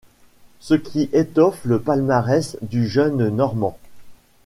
Ce qui étoffe le palmares du jeune normand.